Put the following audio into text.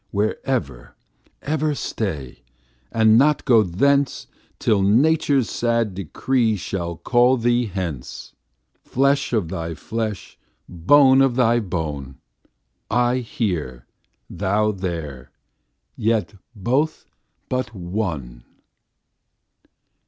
Where ever, ever stay, and go not thence, Till nature's sad decree shall call thee hence; Flesh of thy flesh, bone of thy bone, I here, thou there, yet both but one.